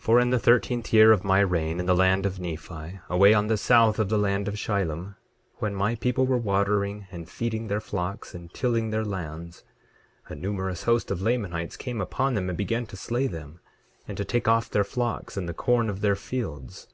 9:14 For, in the thirteenth year of my reign in the land of Nephi, away on the south of the land of Shilom, when my people were watering and feeding their flocks, and tilling their lands, a numerous host of Lamanites came upon them and began to slay them, and to take off their flocks, and the corn of their fields.